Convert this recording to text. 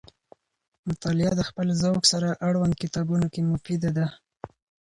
مطالعه د خپل ذوق سره اړوند کتابونو کې مفیده ده.